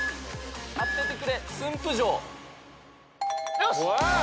よし！